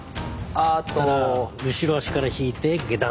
したら後ろ足から引いて下段。